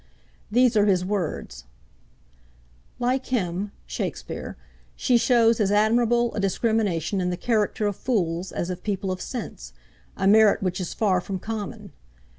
These are his words: 'Like him (Shakspeare) she shows as admirable a discrimination in the character of fools as of people of sense; a merit which is far from common.